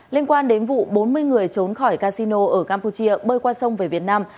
liên quan đến vụ bốn mươi người trốn khỏi casino ở campuchia bơi qua sông về việt nam